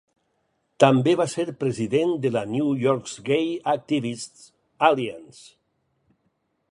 També va ser president de la New York's Gay Activists Alliance.